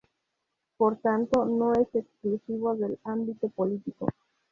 Por tanto, no es exclusivo del ámbito político.